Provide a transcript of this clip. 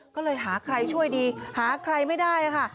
ก็เลยหาใครช่วยดีหาใครไม่ได้ค่ะ